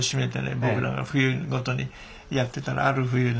僕らが冬ごとにやってたらある冬ね